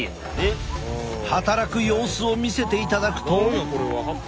働く様子を見せていただくと。